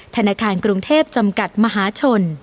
ธนาคารกรุงเทพจำกัดมหาชน